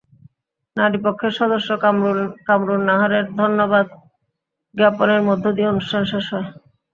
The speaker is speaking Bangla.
নারীপক্ষের সদস্য কামরুন নাহারের ধন্যবাদ জ্ঞাপনের মধ্য দিয়ে অনুষ্ঠান শেষ হয়।